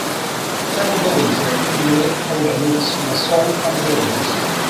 Several buildings were either moved or the wood was sold from the buildings.